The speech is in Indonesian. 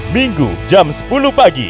minggu jam sepuluh pagi